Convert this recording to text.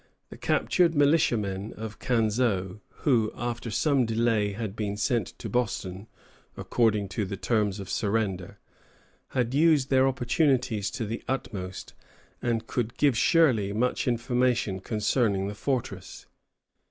] The captured militia men of Canseau, who, after some delay, had been sent to Boston, according to the terms of surrender, had used their opportunities to the utmost, and could give Shirley much information concerning the fortress.